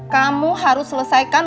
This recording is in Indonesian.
kamu harus selesaikan